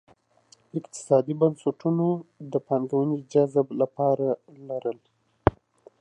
اقتصادي بنسټونو د پانګونې جذب لپاره لرل.